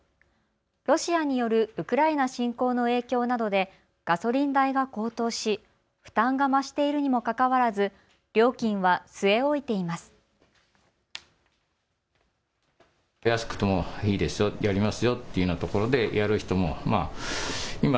ロシアによるウクライナ侵攻の影響などでガソリン代が高騰し負担が増しているにもかかわらず料金は据え置いています。